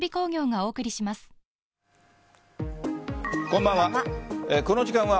こんばんは。